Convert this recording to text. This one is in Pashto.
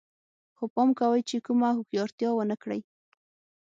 خو پام کوئ چې کومه هوښیارتیا ونه کړئ